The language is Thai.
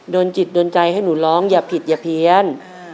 โดนจิตโดนใจให้หนูร้องอย่าผิดอย่าเพี้ยน